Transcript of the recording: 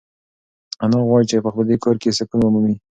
انا غواړي چې په دې کور کې سکون ومومي.